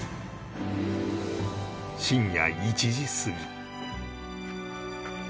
深夜１時過ぎ